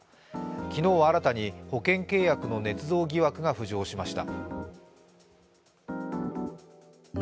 昨日は新たに保険契約のねつ造疑惑が浮上しました。